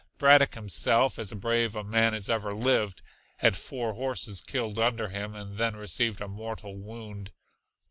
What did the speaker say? Braddock himself, as brave a man as ever lived, had four horses killed under him and then received a mortal wound.